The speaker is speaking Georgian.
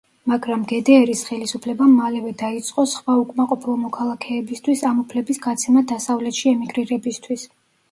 მაგრამ გდრ-ის ხელისუფლებამ მალევე დაიწყო სხვა უკმაყოფილო მოქალაქეებისთვის ამ უფლების გაცემა დასავლეთში ემიგრირებისთვის.